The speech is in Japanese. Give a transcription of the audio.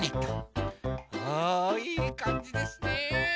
あいいかんじですね。